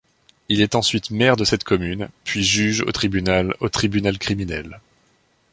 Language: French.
Il est ensuite maire de cette commune, puis juge au tribunal au tribunal criminel.